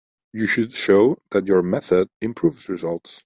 You should show that your method improves results.